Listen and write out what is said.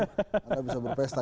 anda bisa berpesta